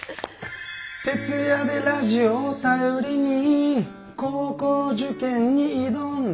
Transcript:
「徹夜でラジオを頼りに高校受験に挑んだ」